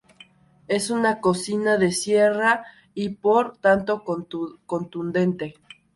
Es una cocina de sierra y por tanto contundente.